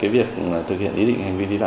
việc thực hiện ý định hành vi vi phạm